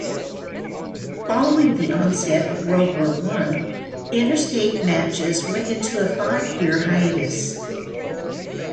Following the onset of World War One interstate matches went into a five-year hiatus.